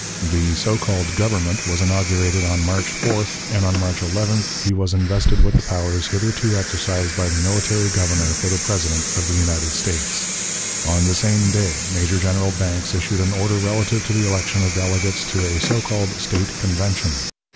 The so called Government was inaugurated on March 4th, and on March 11th he was invested with the powers hitherto exercised by the military Governor for the President of the United States. On the same day Major General Banks issued an order relative to the election of delegates to a so called State Convention.